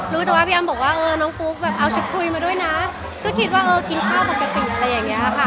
รู้สึกว่าพี่อ้ำบอกว่าโน้นกปุ๊บเอาชุดพุยมาด้วยนะก็คิดว่ากินข้าวก่อนก็อีกแล้วอะไรอย่างนี้ค่ะ